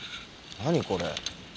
何これ？